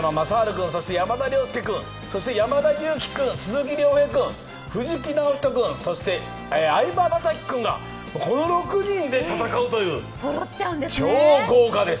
君、山田涼介君、山田裕貴君、鈴木亮平君、藤木直人君、そして相葉雅紀君が、この６人で戦うという超豪華です。